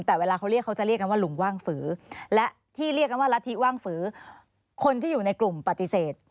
แต่เวลาเขาเรียกเขาจะเรียกกันว่าลุงว่างฝือและที่เรียกกันว่ารัฐธิว่างฝือคนที่อยู่ในกลุ่มปฏิเสธ